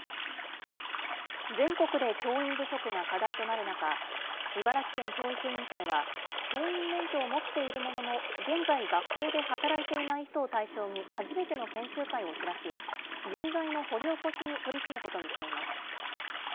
全国で教員不足が課題となる中、茨城県教育委員会は、教員免許を持っているものの、現在、学校で働いていない人を対象に初めての研修会を開き、人材の掘り起こしに取り組むことにしています。